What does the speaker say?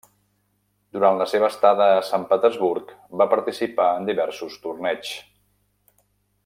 Durant la seva estada a Sant Petersburg, va participar en diversos torneigs.